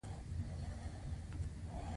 د کمیسیون جوړول د نړیوالې ټولنې پریکړه وه.